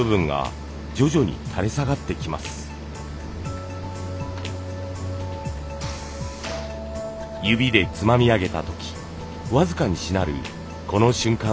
指でつまみ上げた時僅かにしなるこの瞬間を逃しません。